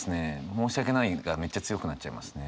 申し訳ないがめっちゃ強くなっちゃいますね。